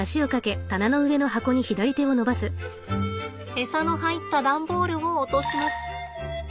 エサの入った段ボールを落とします。